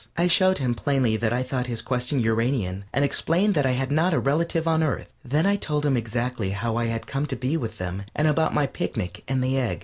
I showed him plainly that I thought his question Uranian, and explained that I had not a relative on Earth. Then I told him exactly how I had come to be with them, and about my picnic and the egg.